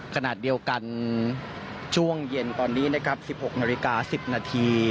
ขณะเดียวกันช่วงเย็นตอนนี้นะครับ๑๖นาฬิกา๑๐นาที